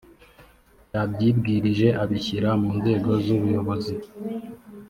yabyibwirije abishyira mu nzego z ubuyobozi.